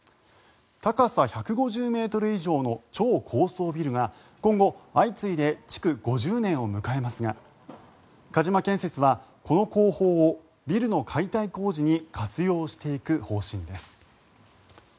高さ１５０ｍ以上の超高層ビルが今後、相次いで築５０年を迎えますが鹿島建設はこの工法をビルの解体工事に活用していく方針です。